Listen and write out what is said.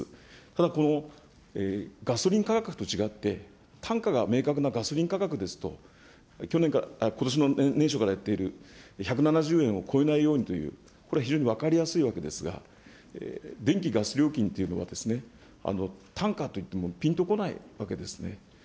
ただ、このガソリン価格と違って、単価が明確なガソリン価格ですと、ことしの年初からやっている１７０円を超えないようにというこれ、非常に分かりやすいわけですが、電気・ガス料金というのは、単価といってもぴんとこないわけですね。